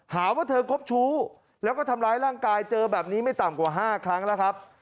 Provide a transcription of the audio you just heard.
หาว่าเธอคบชู้แล้วก็ทำร้ายร่างกายเจอแบบนี้ไม่ต่ำกว่า๕ครั้งแล้วครับ